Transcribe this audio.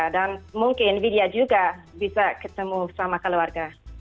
dan mungkin widya juga bisa ketemu sama keluarga